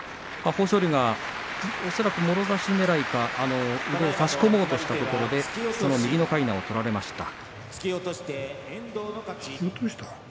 豊昇龍がもろ差しねらいか差し込もうとしたところで右のかいなを取られました。